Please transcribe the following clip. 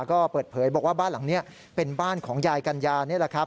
ก็เปิดเผยบอกว่าบ้านหลังนี้เป็นบ้านของยายกัญญานี่แหละครับ